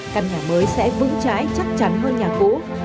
căn nhà mới sẽ vững trái chắc chắn hơn nhà cũ